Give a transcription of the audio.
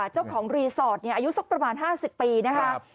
เจ้าของรีสอร์ทอายุสักประมาณ๕๐ปีนะคะ